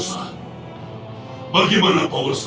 sudah jadi adanya programa